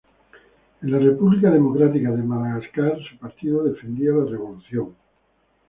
En la República Democrática de Madagascar su partido defendía la revolución.